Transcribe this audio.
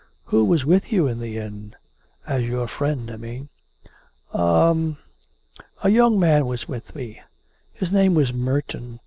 " Who was with you in the inn — as your friend, I mean.? "" A ... a young man was with me. His name was Merton.